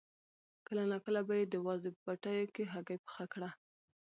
کله ناکله به یې د وازدې په پوټیو کې هګۍ پخه کړه.